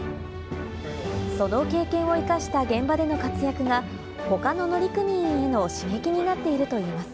その経験を生かした現場での活躍が、他の乗組員の刺激になっているといいます。